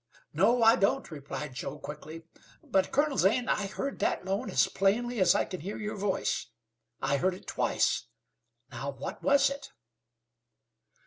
"No, I don't," replied Joe quickly; "but, Colonel Zane, I heard that moan as plainly as I can hear your voice. I heard it twice. Now, what was it?"